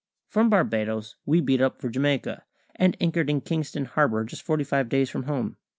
From Barbadoes we beat up for Jamaica, and anchored in Kingston Harbour just forty five days from home.